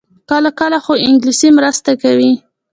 کله کله، خو انګلیسي مرسته کوي